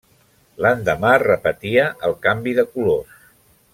L'endemà repetia el canvi de colors.